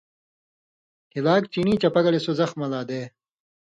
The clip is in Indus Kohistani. ہِلاک چینی چپہ گلے سو زخمہ لا دے